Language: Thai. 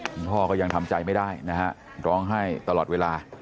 คุณพ่อก็ยังทำใจไม่ได้นะฮะร้องไห้ตลอดเวลา